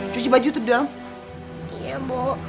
cuci baju tuh di dalam